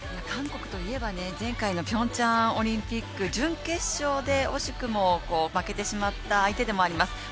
韓国といえば前回のピョンチャンオリンピック準決勝で惜しくも負けてしまった相手でもあります。